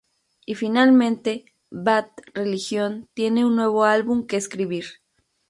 Y finalmente, Bad Religion tiene un nuevo álbum que escribir.